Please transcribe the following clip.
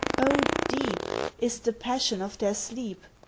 O, deep! Is the passion of their sleep.